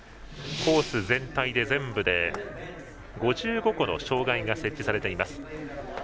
コース全体で全部で５５個の障害が設置されています。